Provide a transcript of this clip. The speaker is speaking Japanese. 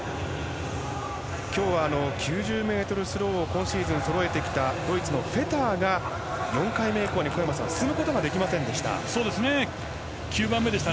今日は９０ｍスローを今シーズンそろえてきたドイツのフェターが４回目以降に小山さん進むことができませんでした。